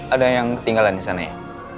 ada yang ketinggalan di sana ya